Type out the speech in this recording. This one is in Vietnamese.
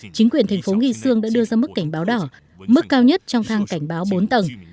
chính quyền thành phố nghi sương đã đưa ra mức cảnh báo đỏ mức cao nhất trong thang cảnh báo bốn tầng